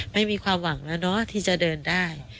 ไม่มีความหวังแล้วเนาะที่จะเดินได้